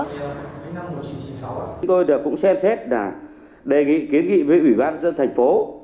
chúng tôi đã cũng xem xét đề nghị kiến nghị với ủy ban dân thành phố